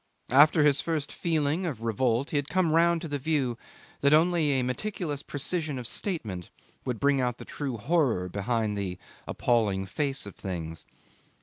After his first feeling of revolt he had come round to the view that only a meticulous precision of statement would bring out the true horror behind the appalling face of things.